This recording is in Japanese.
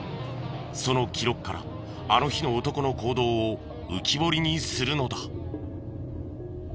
その記録からあの日の男の行動を浮き彫りにするのだ。